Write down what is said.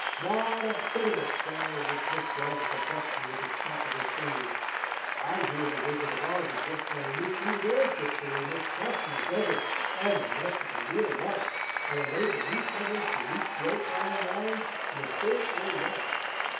"Not a bit of it!" Samuel dismissed Roger's objection with a snap of his fingers. "I hear the Wizard of Oz is working on a new fleet of airships, that will make crossing the desert and Nonestic a real lark and enable new settlers to reach these outlying islands in a day or less.